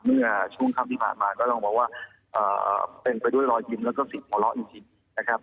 เมื่อช่วงค่ำที่ผ่านมาก็ต้องบอกว่าเป็นไปด้วยรอยกินแล้วก็ฝีบหล่ออีกทีนะครับ